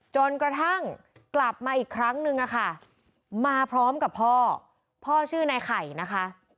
จนกระทั่งกลับมาอีกครั้งนึงอะค่ะมาพร้อมกับพ่อพ่อชื่อนายไข่นะคะ